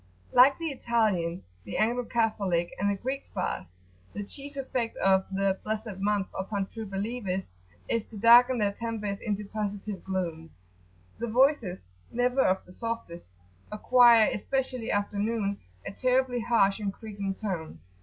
Like the Italian, the Anglo Catholic, and the Greek fasts, the chief effect of the "blessed month" upon True Believers is to darken their tempers into positive gloom. [p.75]Their voices, never of the softest, acquire, especially after noon, a terribly harsh and creaking tone.